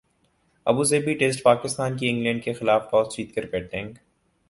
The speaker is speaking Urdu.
ابوظہبی ٹیسٹپاکستان کی انگلینڈ کیخلاف ٹاس جیت کر بیٹنگ